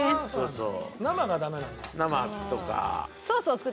そう。